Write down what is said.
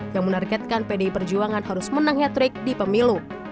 yang menargetkan pdi perjuangan harus menang hat trick di pemilu